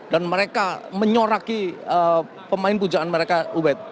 dan mereka menyoraki pemain pujaan mereka ubaid